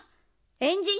エンジン